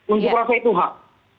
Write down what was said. unjuk rasa itu hak